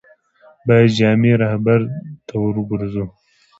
باید جامع رهبرد ته ور وګرځو.